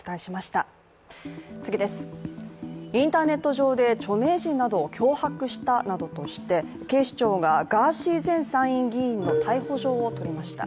インターネット上で著名人などを脅迫したとして警視庁がガーシー前参議院議員の逮捕状を取りました。